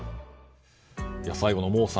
最後のモウさん